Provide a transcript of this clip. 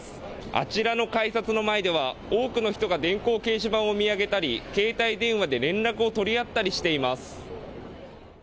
あちらの改札の前では多くの人が電光掲示板を見上げたり携帯電話で連絡を取り合ったりしています。